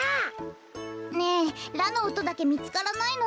ねえラのおとだけみつからないの。